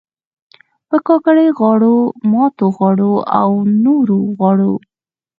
پر کاکړۍ غاړو، ماتو غاړو او نورو غاړو